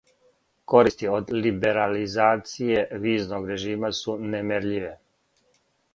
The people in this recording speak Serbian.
Користи од либерализације визног режима су немерљиве.